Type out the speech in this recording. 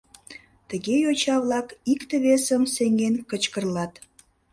Тыге йоча-влак икте-весым сеҥен кычкырлат.